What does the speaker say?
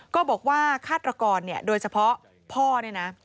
ก็บอกว่าฆาตกรเนี่ยโดยเฉพาะพ่อเนี่ยนะ